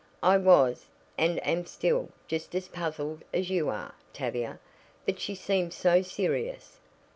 "I was, and am still, just as puzzled as you are, Tavia; but she seemed so serious.